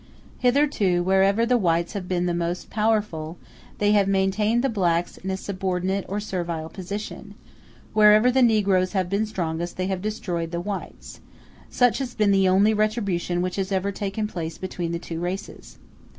Hitherto, wherever the whites have been the most powerful, they have maintained the blacks in a subordinate or a servile position; wherever the negroes have been strongest they have destroyed the whites; such has been the only retribution which has ever taken place between the two races.